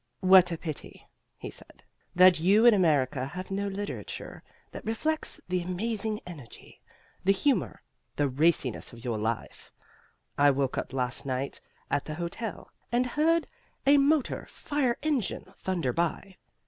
"What a pity," he said, "that you in America have no literature that reflects the amazing energy, the humor, the raciness of your life! I woke up last night at the hotel and heard a motor fire engine thunder by.